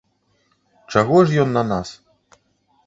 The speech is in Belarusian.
Чаго ж ён на нас?